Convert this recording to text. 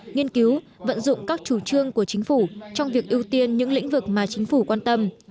nghiên cứu vận dụng các chủ trương của chính phủ trong việc ưu tiên những lĩnh vực mà chính phủ quan tâm